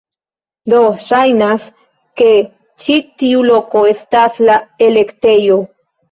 Do, ŝajnas ke ĉi tiu loko estas la elektejo